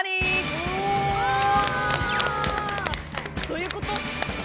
どういうこと？